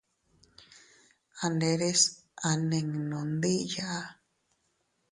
A nderes a ninnu ndiya.